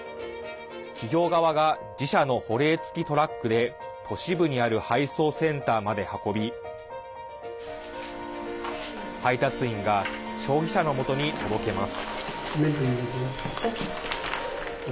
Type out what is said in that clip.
企業側が自社の保冷付きトラックで都市部にある配送センターまで運び配達員が消費者のもとに届けます。